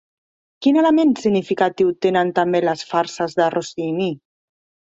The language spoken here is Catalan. Quin element significatiu tenen també les farses de Rossini?